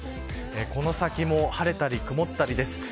この先も晴れたり曇ったりです。